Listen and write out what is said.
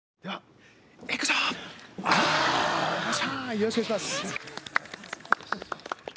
よろしくお願いします。